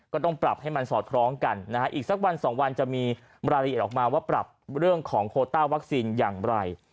ก็ต้องปรับให้มันสอดคล้องกันนะฮะอีกสักวันสองวันจะมีรายละเอียดออกมาว่าปรับเรื่องของโคต้าวัคซีนอย่างไร